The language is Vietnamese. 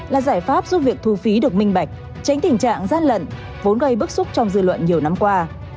là giải pháp giúp việc thu phí được minh bạch tránh tình trạng gian lận vốn gây bức xúc trong dư luận nhiều năm qua